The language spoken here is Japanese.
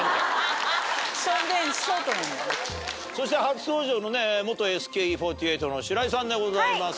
そして初登場の元ＳＫＥ４８の白井さんでございます。